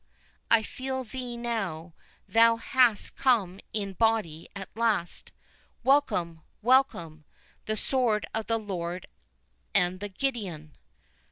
I feel thee now, thou hast come in body at last.—Welcome! welcome!—the sword of the Lord and of Gideon!"